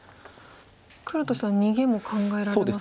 黒としては逃げも考えられますか？